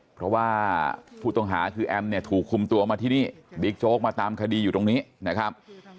เพราะว่าผู้ต้องหาคือแอมเนี่ยถูกคุมตัวมาที่นี่บิ๊กโจ๊กมาตามคดีอยู่ตรงนี้นะครับ